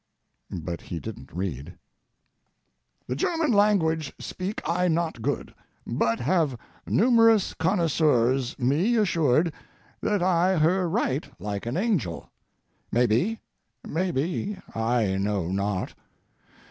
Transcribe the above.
[But he didn't read]. The German language speak I not good, but have numerous connoisseurs me assured that I her write like an angel. Maybe—maybe—I know not.